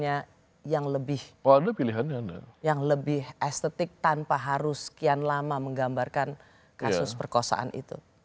yang lebih estetik tanpa harus sekian lama menggambarkan kasus perkosaan itu